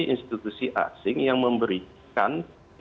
institusi asing yang memberikan